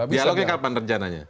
dialognya kapan rencananya